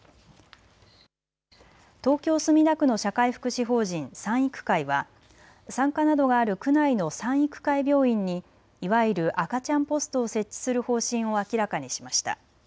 東京墨田区の社会福祉法人賛育会は産科などがある区内の賛育会病院にいわゆる赤ちゃんポストを設置する方針を明らかにしました。